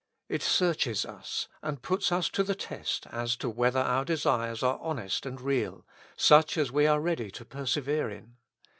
It searches us and puts us to the test as to whether our desires are hones L and real, such as we are ready to persevere in.